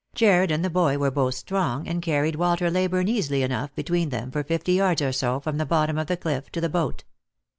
Jarued and the boy were both strong, and caried Walter Leyburne easily enough between them for fifty yards or so from the bottom of the cliff to the boat.